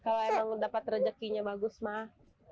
kalau emang dapat rezekinya bagus mah